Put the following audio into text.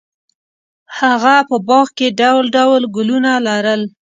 هغه په باغ کې ډول ډول ګلونه لرل.